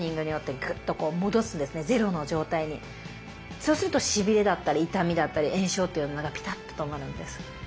そうするとしびれだったり痛みだったり炎症っていうのがピタッと止まるんです。